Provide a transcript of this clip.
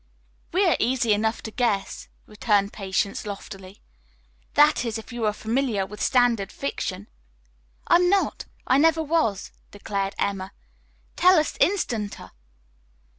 "We are easy enough to guess," returned Patience loftily. "That is, if you are familiar with standard fiction." "I'm not. I never was," declared Emma. "Tell us instanter!"